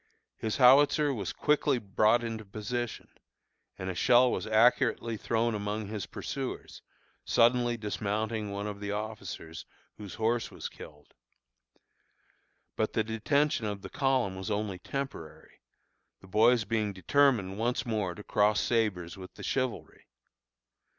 His howitzer was quickly brought into position, and a shell was accurately thrown among his pursuers, suddenly dismounting one of the officers, whose horse was killed. But the detention of the column was only temporary, the boys being determined once more to cross sabres with the chivalry.